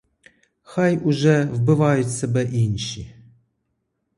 Хай уже вбивають себе інші.